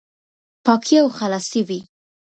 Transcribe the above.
پاکي او خلاصي وي،